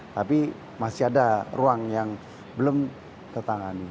tapi masih ada ruang yang belum tertangani